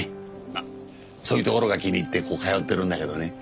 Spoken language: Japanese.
まあそういうところが気に入ってここ通ってるんだけどね。